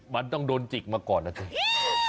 มันต้องโดนจิกมาก่อนนะเถอะ